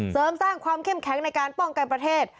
เสริมสร้างความเข้มแข็งในการป้องกันประเทศ